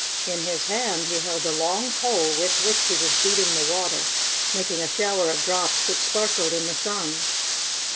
In his hand he held a long pole with which he was beating the water, making a shower of drops that sparkled in the sun.